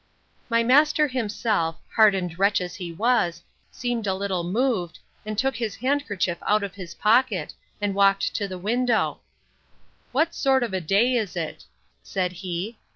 My master himself, hardened wretch as he was, seemed a little moved, and took his handkerchief out of his pocket, and walked to the window: What sort of a day is it? said he.